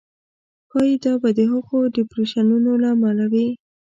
ښایي دا به د هغو ډېپریشنونو له امله وي.